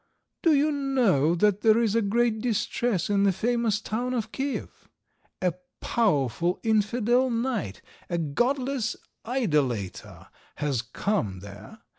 Do you know that there is great distress in the famous town of Kiev? A powerful infidel knight, a godless idolater, has come there.